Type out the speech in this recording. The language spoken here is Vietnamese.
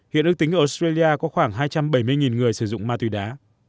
hiện ước tính ở australia có khoảng hai trăm bảy mươi người sử dụng ma túy đá